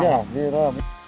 iya di dalam